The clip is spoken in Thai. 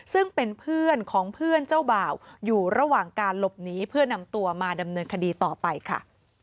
ซึ่งเป็นเพื่อนของเพื่อนเจ้าบ่าวอยู่ระหว่างการหลบหนีเพื่อนำตัวมาดำเนินคดีต่อไปค่ะ